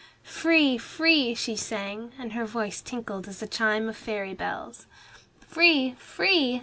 "Free, free!" she sang, and her voice tinkled as a chime of fairy bells. "Free, free!"